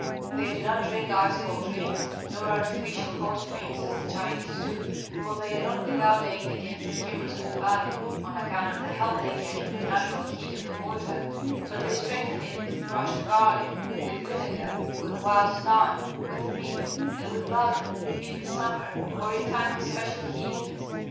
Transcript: They do not drink ice cold drinks nor artificial hot drinks, as the Chinese do; for they are not without aid against the humors of the body, on account of the help they get from the natural heat of the water; but they strengthen it with crushed garlic, with vinegar, with wild thyme, with mint, and with basil, in the summer or in time of special heaviness.